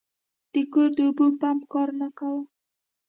د کور د اوبو پمپ کار نه کاوه.